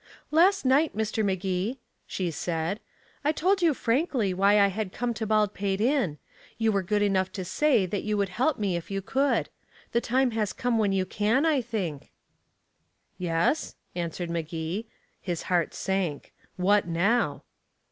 "Last night, Mr. Magee," she said, "I told you frankly why I had come to Baldpate Inn. You were good enough to say that you would help me if you could. The time has come when you can, I think." "Yes?" answered Magee. His heart sank. What now?